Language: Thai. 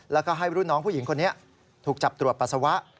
แล้วก็ให้รุ่นน้องผู้หญิงคนนี้ถูกจับตรวจปัสสาวะ